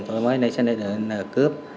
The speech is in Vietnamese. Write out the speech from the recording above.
tôi mới lấy tiền tiêu xài để cướp